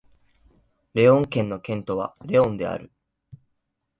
レオン県の県都はレオンである